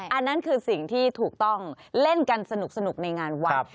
อันนั้นคือสิ่งที่ถูกต้องเล่นกันสนุกในงานวัด